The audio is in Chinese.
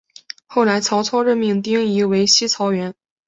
后来曹操任命丁仪为西曹掾。